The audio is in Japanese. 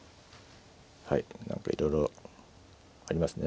はい何かいろいろありますね。